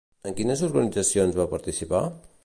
En quines organitzacions va participar?